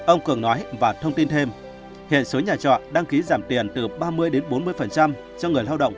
ông cường nói và thông tin thêm hệ số nhà trọ đăng ký giảm tiền từ ba mươi đến bốn mươi cho người lao động